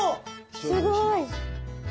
すごい。